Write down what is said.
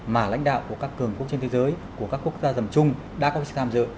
mà lãnh đạo của các cường quốc trên thế giới của các quốc gia dầm chung đã có sự tham dự